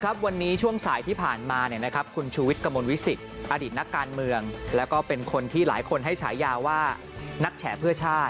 วันนี้ช่วงสายที่ผ่านมาเนี่ยนะครับคุณชูวิทย์กระมวลวิสิตอดีตนักการเมืองแล้วก็เป็นคนที่หลายคนให้ฉายาว่านักแฉเพื่อชาติ